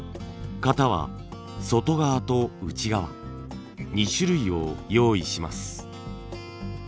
型は外側と内側２種類を用意します。